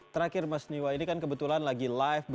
terakhir mas niwa ini kan kebetulan lagi live